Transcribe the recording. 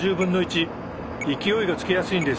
勢いがつきやすいんです。